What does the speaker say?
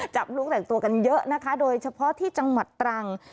ลูกแต่งตัวกันเยอะนะคะโดยเฉพาะที่จังหวัดตรัง